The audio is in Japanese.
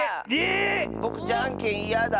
えっ⁉ぼくじゃんけんいやだよ。